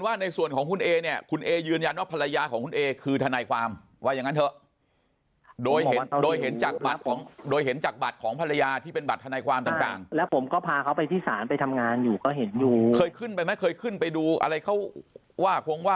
ไม่ได้ชื่อสุนิสาแต่ผมมึง